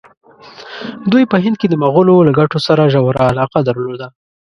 دوی په هند کې د مغولو له ګټو سره ژوره علاقه درلوده.